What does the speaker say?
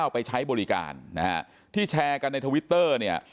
ไปใช้บริการนะฮะที่แชร์กันในทวิตเตอร์เนี่ย